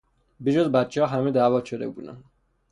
به جز بچهها همه دعوت شده بودند.